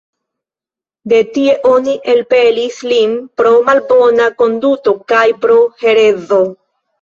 De tie oni elpelis lin pro malbona konduto kaj pro herezo.